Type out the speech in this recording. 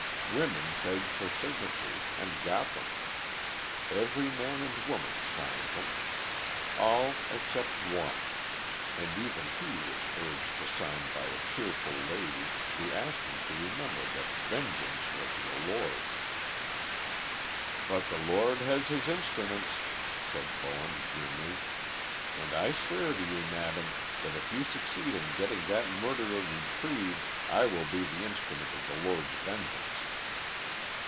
Women begged for signatures, and got them. Every man and woman signed them. All except one; and even he was urged to sign by a tearful lady, who asked him to remember that vengeance was the Lord's. "But the Lord has his instruments," said Bowen, grimly; "and I swear to you, madam, that if you succeed in getting that murderer reprieved, I will be the instrument of the Lord's vengeance."